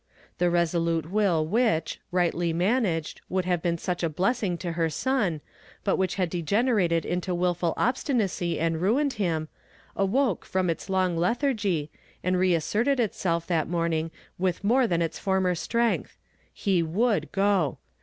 The reso lute will which, rightly managed, would have been such a blessing to her son, but which had degen erated into wilful oljstinacv and ruined him, awoke from its long lethargy, and reasserted itself that morning with more than its former strength ; he tvoulcl go.